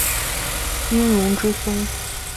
殷融之孙。